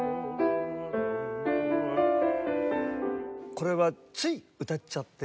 これはつい歌っちゃってる？